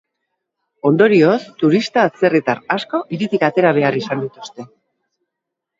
Ondorioz, turista atzerritar asko hiritik atera behar izan dituzte.